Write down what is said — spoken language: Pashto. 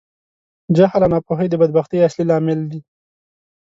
جهل او ناپوهۍ د بدبختي اصلی لامل دي.